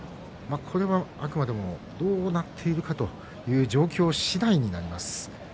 これは、あくまでもどうなっているかという状況次第になります。